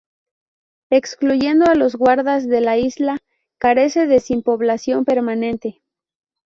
Excluyendo a los guardas de la isla, carece de sin población permanente.